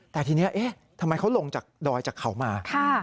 แต่ทีนี้เอ๊ะทำไมเขาลงจากดอยจากเขามา